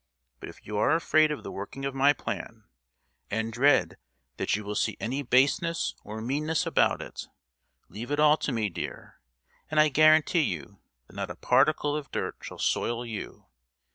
But if you are afraid of the working of my plan, and dread that you will see any baseness or meanness about it, leave it all to me, dear, and I guarantee you that not a particle of dirt shall soil you!